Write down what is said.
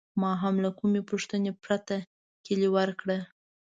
ما هم له کومې پوښتنې پرته کیلي ورکړه.